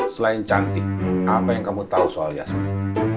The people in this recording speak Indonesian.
selain cantik apa yang kamu tahu soal yasona